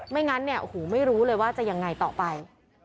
ไม่งั้นโอ้โฮไม่รู้เลยว่าจะอย่างไรต่อไป